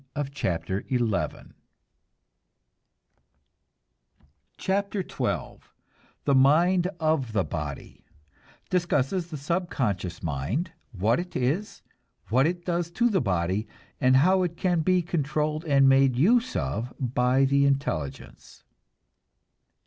CHAPTER XII THE MIND OF THE BODY (Discusses the subconscious mind, what it is, what it does to the body, and how it can be controlled and made use of by the intelligence.)